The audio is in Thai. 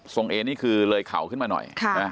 เอนี่คือเลยเข่าขึ้นมาหน่อย